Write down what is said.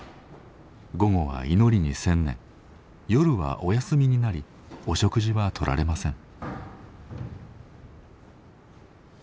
午後は祈りに専念夜はお休みになりお食事はとられません。